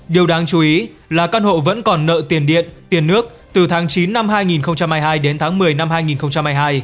điều đáng chú ý là căn hộ vẫn còn nợ tiền điện tiền nước từ tháng chín năm hai nghìn hai mươi hai đến tháng một mươi năm hai nghìn hai mươi hai